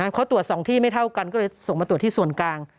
เขาตรวจ๒ที่ไม่เท่ากันก็เลยส่งมาตรวจที่ส่วนกลาง